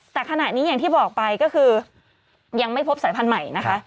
แต่ขณะนี้อย่างที่บอกไปก็คือยังไม่พบสายพันธุ์ใหม่นะคะ